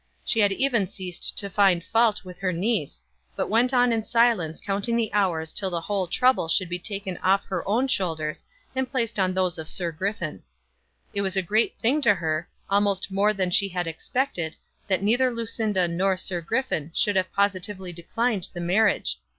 She had even ceased to find fault with her niece, but went on in silence counting the hours till the trouble should be taken off her own shoulders and placed on those of Sir Griffin. It was a great thing to her, almost more than she had expected, that neither Lucinda nor Sir Griffin should have positively declined the marriage.